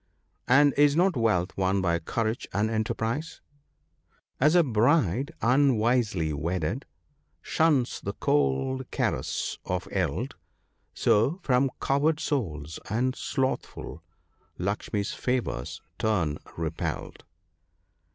" And is not wealth won by courage and enterprise ?—*' As a bride, unwisely wedded, shuns the cold caress of eld, So, from coward souls and slothful, Lakshmi's favours turn repelled."